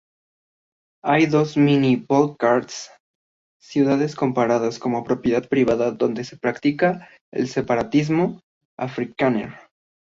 Hay dos mini-Volkstaats, ciudades compradas como propiedad privada donde se practica el separatismo afrikaner.